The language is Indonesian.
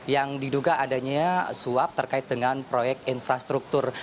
yang diduga adanya suap terkait dengan proyek infrastruktur